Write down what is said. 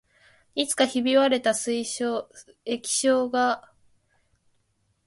いつかひび割れた液晶が光り出し、どこか遠くからのメッセージを映し出しそうだった